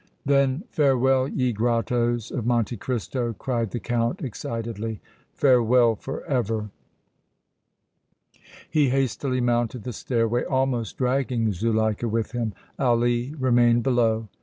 "Then farewell, ye grottoes of Monte Cristo!" cried the Count, excitedly. "Farewell forever!" He hastily mounted the stairway, almost dragging Zuleika with him. Ali remained below.